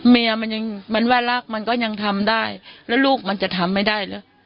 เมียมันยังมันว่ารักมันก็ยังทำได้แล้วลูกมันจะทำไม่ได้เหรอ